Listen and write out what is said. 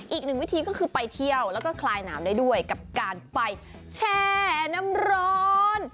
อีกหนึ่งวิธีก็คือไปเที่ยวแล้วก็คลายหนามได้ด้วยกับการไปแช่น้ำร้อน